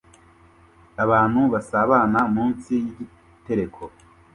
Abantu basabana munsi yigitereko